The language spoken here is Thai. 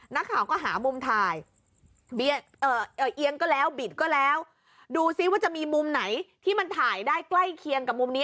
นักข่าวก็หามุมถ่ายเอ่อเอียงก็แล้วบิดก็แล้วดูซิว่าจะมีมุมไหนที่มันถ่ายได้ใกล้เคียงกับมุมนี้